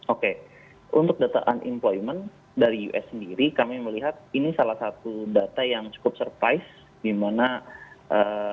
oke untuk data unemployment dari us sendiri kami melihat ini salah satu data yang cukup surprise